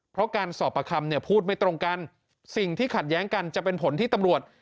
เพราะการสอบประคำเนี่ยพูดไม่ตรงกันสิ่งที่ขัดแย้งกันจะเป็นผลที่ตำรวจ